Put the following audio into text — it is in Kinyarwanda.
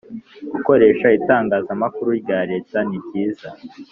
gukoresha itangazamakuru rya Leta ni byiza